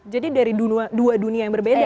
jadi dari dua dunia yang berbeda ya